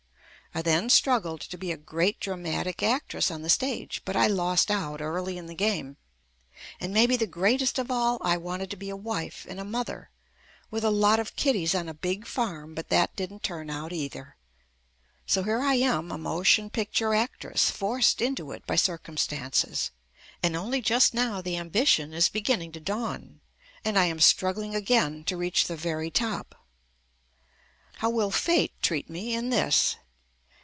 I then struggled to be a great dramatic actress on the stage, but I lost out early in the game. And maybe the greatest of all, I wanted to be a wife and a mother with a lot of kiddies on a big farm, but that didn't turn out either — so here I am a motion picture actress forced into it by cir cumstances, and only just now the ambition is beginning to dawn, and I am struggling again to reach the very top. How will fate treat me in this